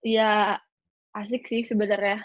ya asik sih sebenernya